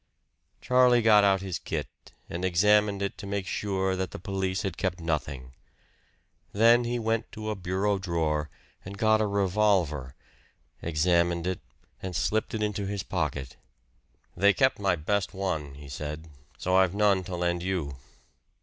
Charlie got out his kit and examined it to make sure that the police had kept nothing. Then he went to a bureau drawer and got a revolver, examined it and slipped it into his pocket. "They kept my best one," he said. "So I've none to lend you."